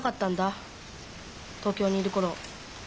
東京にいるころ。